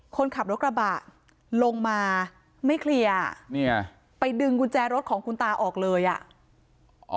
คนขับรถกระบะลงมาไม่เคลียร์ไปดึงกุญแจรถของคุณตาออกเลยอ่ะ